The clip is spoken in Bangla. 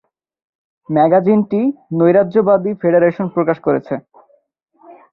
ম্যাগাজিনটি নৈরাজ্যবাদী ফেডারেশন প্রকাশ করেছে।